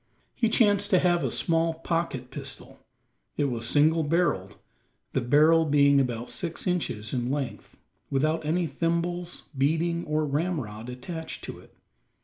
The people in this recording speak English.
He chanced to have a small pocket pistol: it was single barrelled, the barrel being about six inches in length, without any thimbles, beading, or ramrod attached to it.